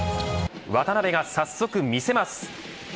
渡邊が早速見せます。